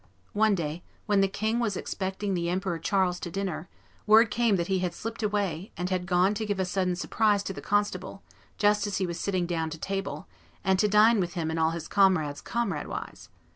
... One day, when the king was expecting the Emperor Charles to dinner, word came that he had slipped away, and had gone to give a sudden surprise to the constable, just as he was sitting down to table, and to dine with him and all his comrades comradewise.